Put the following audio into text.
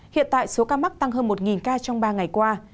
hiện tại số ca mắc tăng hơn một ca trong ba ngày qua